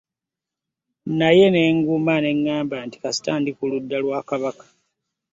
Naye ne nguma ne ngamba nti kasita ndi ku ludda lwa Kabaka.